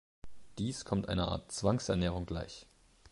Dies kommt einer Art Zwangsernährung gleich.